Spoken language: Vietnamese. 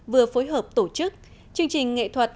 vừa phối hợp tổ chức chương trình nghệ thuật